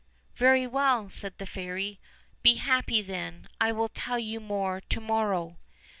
"Very well," said the fairy, "be happy then; I will tell you more to morrow."